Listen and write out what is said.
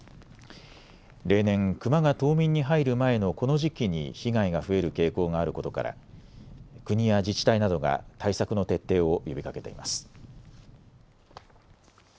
例年、クマが冬眠に入る前のこの時期に被害が増える傾向があることから国や自治体などが対策の徹底を呼びかけています。